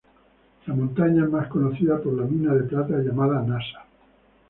La montaña es más conocida por la mina de plata llamada Nasa.